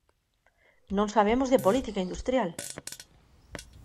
¡Non sabemos de política industrial!